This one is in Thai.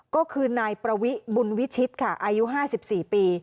ก็คือนายประวิบุญวิชิตค่ะอายุ๕๔ปี